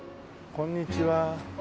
こんにちは。